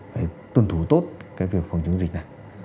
phải tuân thủ tốt cái việc phòng chống dịch này